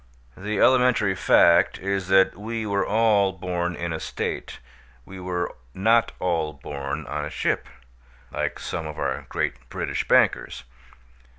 The elementary fact is that we were all born in a state; we were not all born on a ship; like some of our great British bankers.